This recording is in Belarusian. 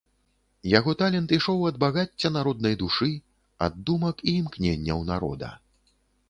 Яго талент ішоў ад багацця народнай душы, ад думак і імкненняў народа.